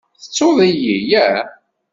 Tettuḍ-iyi ya?